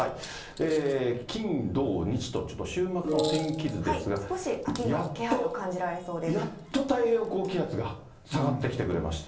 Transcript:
金、土、日と、ちょっと週末の天少し秋の気配を感じられそうやっと太平洋高気圧が下がってきてくれました。